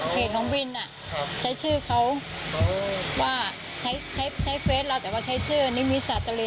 ของวินใช้ชื่อเขาว่าใช้เฟสเราแต่ว่าใช้ชื่อนิมิตสาตรี